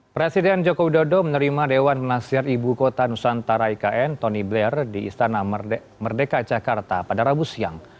presiden joko widodo menerima dewan penasihat ibu kota nusantara ikn tony blair di istana merdeka jakarta pada rabu siang